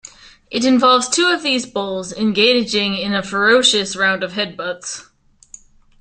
It involves two of these bulls engaging in a ferocious round of headbutts.